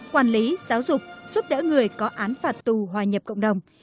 quản lý giáo dục giúp đỡ người có án phạt tù hòa nhập cộng đồng